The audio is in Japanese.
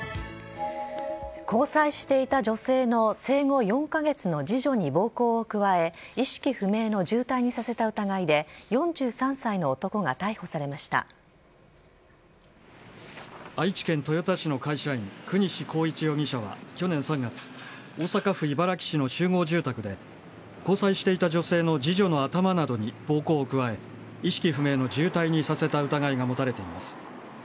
交際していた女性の生後４か月の次女に暴行を加え、意識不明の重体にさせた疑いで、４３歳の男が逮捕されました愛知県豊田市の会社員、國司浩一容疑者は去年３月、大阪府茨木市の集合住宅で、交際していた女性の次女の頭などに暴行を加え、意識不明の重体にさせた疑いが持たれています。